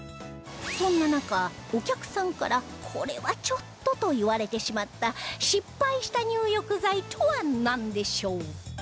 そんな中お客さんから「これはちょっと」と言われてしまった失敗した入浴剤とはなんでしょう？